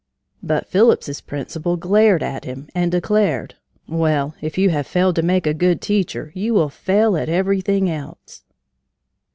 But Phillips's principal glared at him and declared: "Well, if you have failed to make a good teacher, you will fail in everything else."